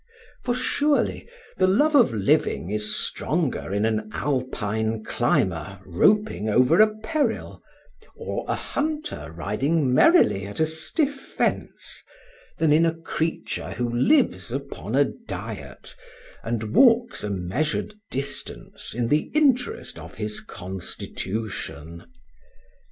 For surely the love of living is stronger in an Alpine climber roping over a peril, or a hunter riding merrily at a stiff fence, than in a creature who lives upon a diet and walks a measured distance in the interest of his constitution.